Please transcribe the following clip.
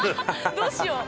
どうしよう。